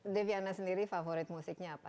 deviana sendiri favorit musiknya apa